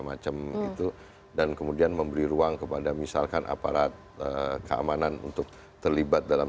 macam itu dan kemudian memberi ruang kepada misalkan aparat keamanan untuk terlibat dalam